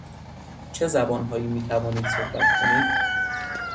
چه زبان هایی می توانید صحبت کنید؟